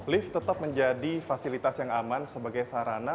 lift tetap menjadi fasilitas yang aman sebagai sarana